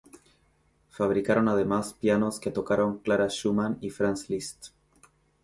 Fabricaron además pianos que tocaron Clara Schumann y Franz Liszt.